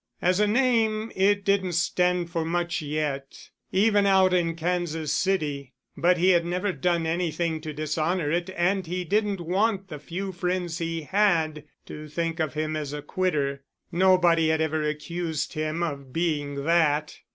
As a name, it didn't stand for much yet, even out in Kansas City, but he had never done anything to dishonor it and he didn't want the few friends he had to think of him as a quitter. Nobody had ever accused him of being that.